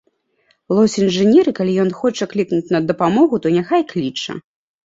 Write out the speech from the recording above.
Лось інжынер, і калі ён хоча клікнуць на дапамогу, то няхай кліча.